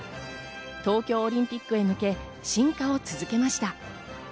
東京オリンピックへ向け、進化を続けました。